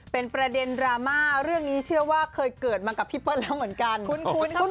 เป็นประเด็นดราม่าเรื่องนี้เชื่อว่าเคยเกิดมากับพี่เปิ้ลแล้วเหมือนกัน